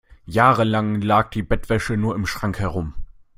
Jahrelang lag die Bettwäsche nur im Schrank herum.